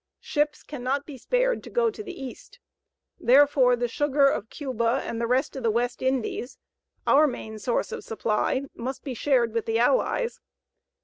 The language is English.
Ships cannot be spared to go to the East. Therefore the sugar of Cuba and the rest of the West Indies, our main source of supply, must be shared with the Allies.